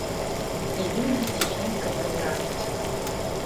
І людзі ціхенька паміраюць.